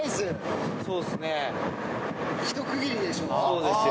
そうですよ。